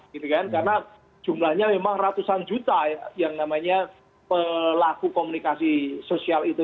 karena jumlahnya memang ratusan juta yang namanya pelaku komunikasi sosial itu